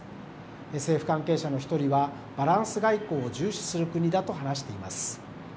政府関係者の１人は、バランス外交を重視する国だと話しています。